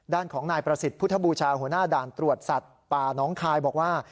ด้านของนายประสิทธิ์พุทธบูชาหัวหน้าด่านตรวจสัตว์ป่าน้องคายบอกว่า